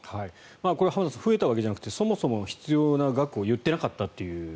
これ、浜田さん増えたわけじゃなくてそもそも必要な額を言っていなかった